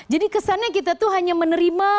jadi kesannya kita tuh hanya menerima